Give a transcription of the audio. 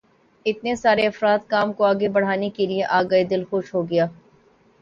اتنے سارے افراد کام کو آگے بڑھانے کے لیے آ گئے، دل خوش ہو گیا۔